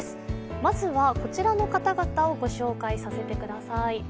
まずは、こちらの方々をご紹介させてください。